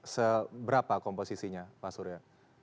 seberapa komposisinya pak suraya